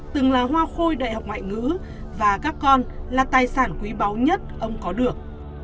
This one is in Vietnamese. từng là hoa khôi đại học ngoại ngữ và các con là tài sản quý báu nhất ông có được